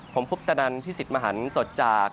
ผมคุปตนันพี่สิทธิ์มหันสดจาก